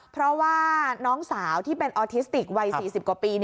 เพราะว่าน้องสาวที่เป็นออทิสติกวัย๔๐กว่าปี